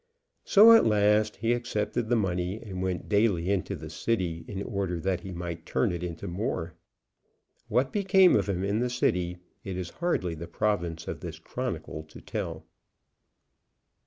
So at last he accepted the money, and went daily into the City in order that he might turn it into more. What became of him in the City it is hardly the province of this chronicle to tell.